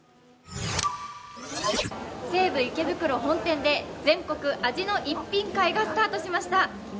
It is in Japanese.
西武池袋本店で全国味の逸品会がスタートしました。